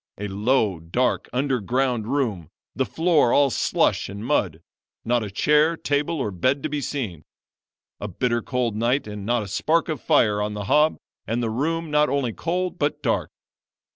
A low, dark, underground room, the floor all slush and mud not a chair, table, or bed to be seen. A bitter cold night and not a spark of fire on the hob and the room not only cold but dark.